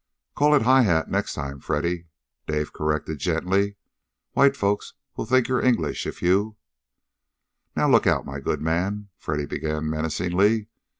"Call it 'high hat' next time, Freddy," Dave corrected gently. "White folks will think you're English, if you " "Now, look out, my good man!" Freddy began menacingly.